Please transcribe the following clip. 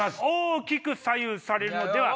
大きく左右されるのでは。